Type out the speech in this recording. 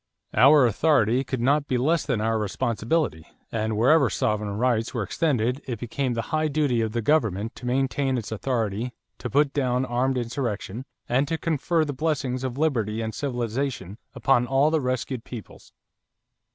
Our authority could not be less than our responsibility, and wherever sovereign rights were extended it became the high duty of the government to maintain its authority, to put down armed insurrection, and to confer the blessings of liberty and civilization upon all the rescued peoples.